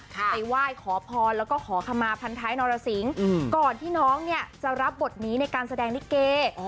ไปไหว้ขอพรแล้วก็ขอคำมาพันท้ายนรสิงก่อนที่น้องเนี่ยจะรับบทนี้ในการแสดงลิเก